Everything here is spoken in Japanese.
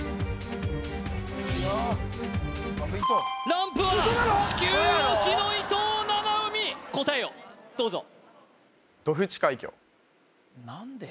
ランプは地球押しの伊藤七海答えをどうぞ・何で？